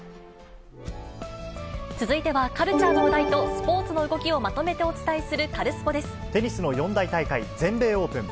続いては、カルチャーの話題とスポーツの動きをまとめてお伝えするカルスポテニスの四大大会、全米オープン。